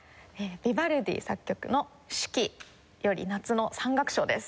ヴィヴァルディ作曲の『四季』より『夏』の３楽章です。